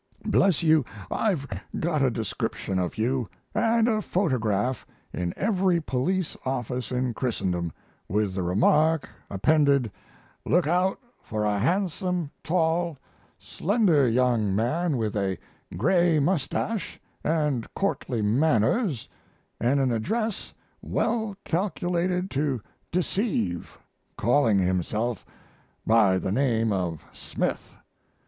Bless you, I've got a description of you and a photograph in every police office in Christendom, with the remark appended: "Look out for a handsome, tall, slender young man with a gray mustache and courtly manners and an address well calculated to deceive, calling himself by the name of Smith."